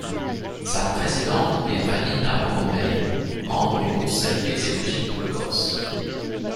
Sa présidente est Vanina Borromei, membre du Conseil exécutif de Corse.